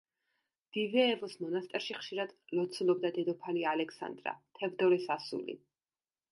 დივეევოს მონასტერში ხშირად ლოცულობდა დედოფალი ალექსანდრა თევდორეს ასული.